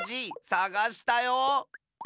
さがしたよ。